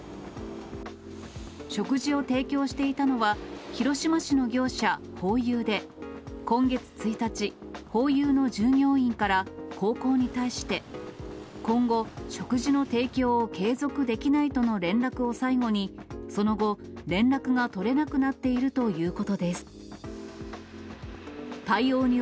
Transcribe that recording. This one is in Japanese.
食事を提供していたのは、広島市の業者、ホーユーで、今月１日、ホーユーの従業員から高校に対して、今後、食事の提供を継続できないとの連絡を最後に、その後、連絡が取れなくなっているということです。